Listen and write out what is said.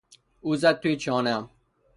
او زد توی چانهام.